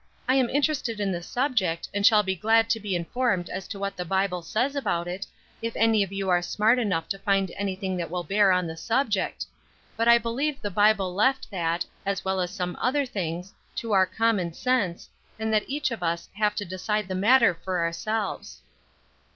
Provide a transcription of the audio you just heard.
"I am interested in the subject, and shall be glad to be informed as to what the Bible says about it, if any of you are smart enough to find anything that will bear on the subject; but I believe the Bible left that, as well as some other things, to our common sense, and that each of us have to decide the matter for ourselves."